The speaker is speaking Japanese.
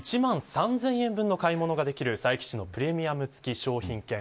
１万円で１万３０００円分の買い物ができる佐伯市のプレミアム付き商品券